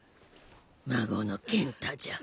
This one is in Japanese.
孫の健太じゃ。